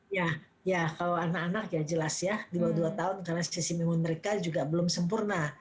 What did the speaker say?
ya ya kalau anak anak ya jelas ya di bawah dua tahun karena spesimiwa mereka juga belum sempurna